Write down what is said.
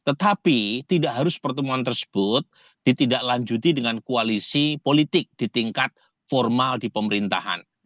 tetapi tidak harus pertemuan tersebut ditindaklanjuti dengan koalisi politik di tingkat formal di pemerintahan